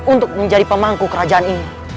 untuk menjadi pemangku kerajaan ini